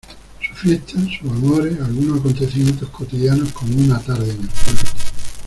Sus fiestas, sus amores, algunos acontecimientos cotidianos como una tarde en el pueblo.